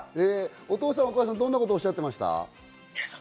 お父さん、お母さんはどんなことをおっしゃっていました？